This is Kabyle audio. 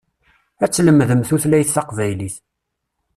Ad tlemdem tutlayt taqbaylit.